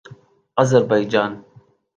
Azerbaijan